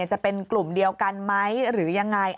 จะเป็นกลุ่มเดียวกันไหมหรือยังไง